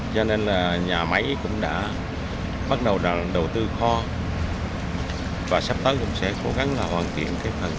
cho nên là nhà máy cũng đã bắt đầu đầu tư kho và sắp tới cũng sẽ cố gắng là hoàn thiện cái phần